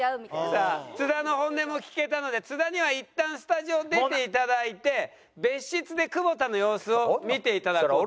さあ津田の本音も聞けたので津田にはいったんスタジオを出ていただいて別室で久保田の様子を見ていただこうと思います。